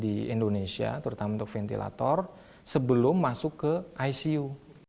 di indonesia terutama untuk ventilator sebelum masuk ke icu